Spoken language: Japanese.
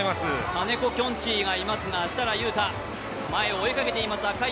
金子きょんちぃがいますが、設楽悠太、前を追いかけています。